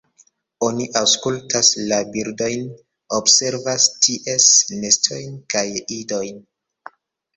Oni aŭskultas la birdojn, observas ties nestojn kaj idojn.